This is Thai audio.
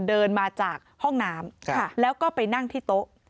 เดินมาจากห้องน้ำแล้วก็ไปนั่งที่โต๊ะ